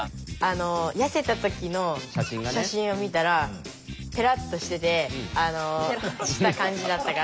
痩せた時の写真を見たらぺらっとしててした感じだったから。